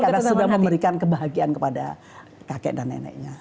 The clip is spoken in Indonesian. karena sudah memberikan kebahagiaan kepada kakek dan neneknya